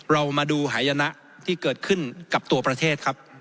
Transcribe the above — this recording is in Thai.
เรามาดูหายนะที่เกิดขึ้นกับตัวประเทศครับ